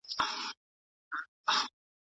ښوونځی د ماشومانو ذهن پراخوي.